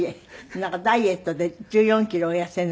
なんかダイエットで１４キロお痩せになったって？